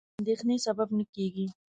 د اندېښنې سبب نه کېږي.